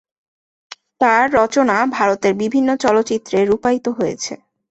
তার রচনা ভারতের বিভিন্ন চলচ্চিত্রে রূপায়িত হয়েছে।